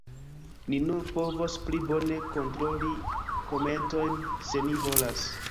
Ni nun povos pli bone kontroli komentojn, se ni volas.